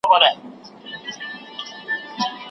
انلاين زده کړه د درس تکرار آسانه کوي.